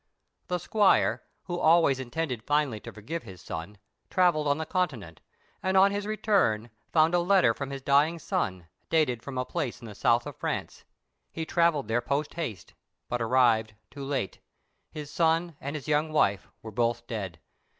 The squire, who always intended finally to forgive his son, travelled on the Continent, and on his return found a letter from his dying son, dated from a place in the south of France. He travelled there post haste, but arrived too late; his son and his young wife were both dead.